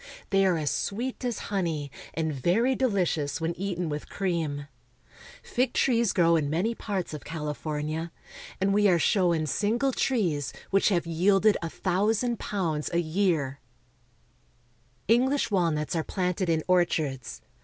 They are as sweet as honey, and very deli cious when eaten with cream. Fig trees grow in many parts of California, and we are shown single trees which have yielded a thousand pounds a year. 268 CALIFORNIA. English walnuts are planted in orchards.